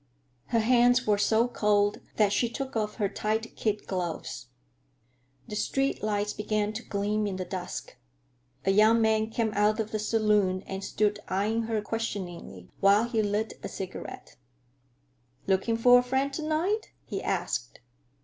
Her hands were so cold that she took off her tight kid gloves. The street lights began to gleam in the dusk. A young man came out of the saloon and stood eyeing her questioningly while he lit a cigarette. "Looking for a friend to night?" he asked.